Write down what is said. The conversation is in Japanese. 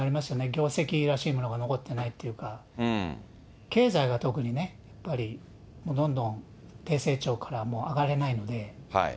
業績らしいものが残ってないというか、経済が特にね、やっぱりどんどん亭成長から上がれないので。